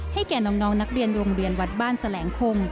แก่น้องนักเรียนโรงเรียนวัดบ้านแสลงคม